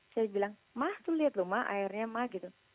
saya bilang ma tuh liat loh ma airnya ma gitu